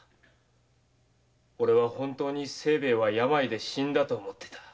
俺は本当に清兵衛は病で死んだと思ってた。